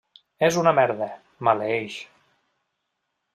És una merda, maleeix.